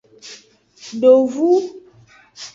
Dovu.